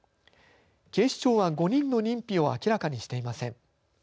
警視庁は５人の認否を明らかにしていません。